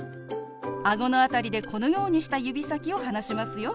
あごの辺りでこのようにした指先を離しますよ。